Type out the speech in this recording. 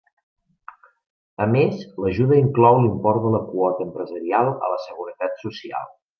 A més l'ajuda inclou l'import de la quota empresarial a la Seguretat Social.